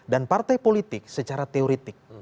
partai politik secara teoretik